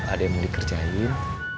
ada yang mau dikerjain